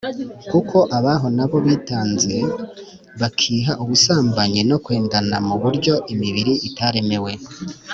kuko abaho na bo bitanze bakiha ubusambanyi no kwendana mu buryo imibiri itaremewe